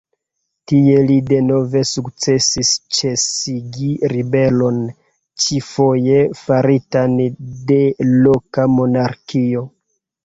Tie li denove sukcesis ĉesigi ribelon, ĉifoje faritan de loka monarkio.